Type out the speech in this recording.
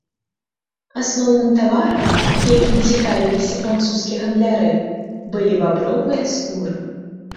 Асноўным таварам, якім цікавіліся французскія гандляры, былі бабровыя скуры.